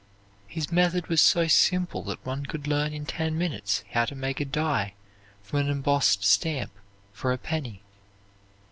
His method was so simple that one could learn in ten minutes how to make a die from an embossed stamp for a penny.